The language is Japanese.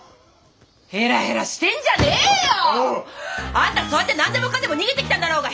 あんたそうやって何でもかんでも逃げてきたんだろうが。